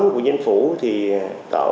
của chính phủ thì tạo